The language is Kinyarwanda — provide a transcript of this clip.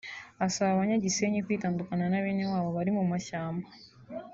asaba Abanya-Gisenyi kwitandukanya na bene wabo bari mu mashyamba